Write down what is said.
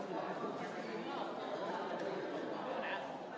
ขอบคุณครับ